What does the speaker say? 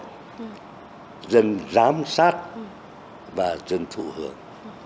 chúng ta phải giám sát và dân thụ hưởng